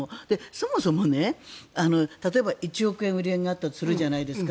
そもそも、例えば１億円売り上げになったとするじゃないですか。